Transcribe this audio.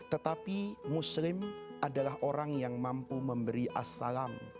tetapi muslim adalah orang yang mampu memberi assalam